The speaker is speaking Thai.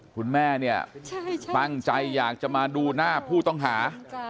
คุณแม่เนี่ยตั้งใจอยากจะมาดูหน้าผู้ต้องหา